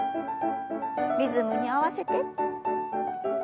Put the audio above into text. リズムに合わせて。